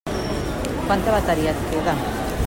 Quanta bateria et queda?